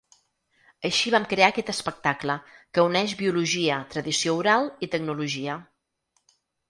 Així vam crear aquest espectacle, que uneix biologia, tradició oral i tecnologia.